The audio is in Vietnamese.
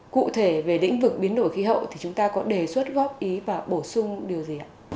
cụ thể về lĩnh vực biến đổi khí hậu thì chúng ta có đề xuất góp ý và bổ sung điều gì ạ